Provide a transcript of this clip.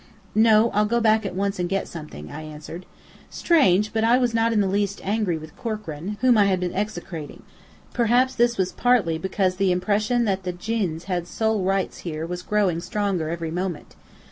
"No. I'll go back at once and get something," I answered. Strange, but I was not in the least angry with Corkran, whom I had been execrating. Perhaps this was partly because the impression that the djinns had sole rights here was growing stronger every moment.